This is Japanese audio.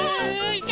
いけ！